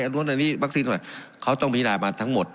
อันนั้นอันนี้มักซินไว้เขาต้องพินาธิ์มาทั้งหมด